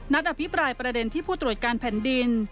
อภิปรายประเด็นที่ผู้ตรวจการแผ่นดิน